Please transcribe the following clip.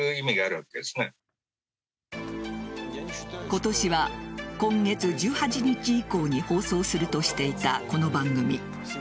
今年は今月１８日以降に放送するとしていたこの番組。